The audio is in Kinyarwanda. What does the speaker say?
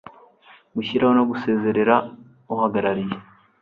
gushyiraho no gusezerera uhagarariye